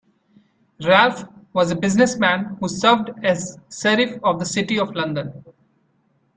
Ralph was a businessman who served as Sheriff of the City of London.